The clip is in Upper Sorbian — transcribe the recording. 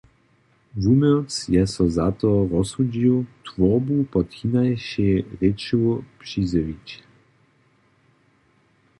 Wuměłc je so za to rozsudźił, twórbu pod hinašej rěču přizjewić.